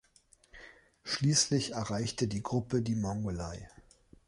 Schließlich erreicht die Gruppe die Mongolei.